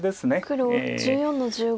黒１４の十五。